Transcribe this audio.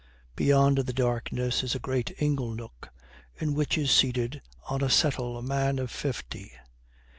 Beyond the darkness is a great ingle nook, in which is seated on a settle a man of fifty.